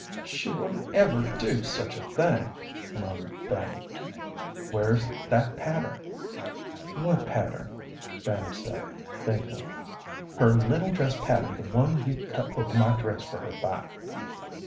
"She wouldn't ever do such a thing," moaned Fanny. "Where's that pattern?" "What pattern?" Fanny said, faintly. "That little dress pattern. Her little dress pattern, the one you cut over my dress for her by."